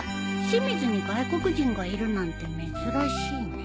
清水に外国人がいるなんて珍しいね